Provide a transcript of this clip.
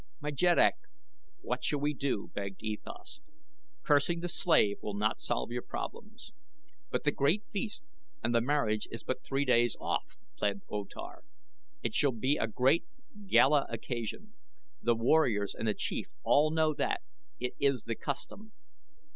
"My jeddak, what shall we do?" begged E Thas. "Cursing the slave will not solve your problems." "But the great feast and the marriage is but three days off," pleaded O Tar. "It shall be a great gala occasion. The warriors and the chiefs all know that it is the custom.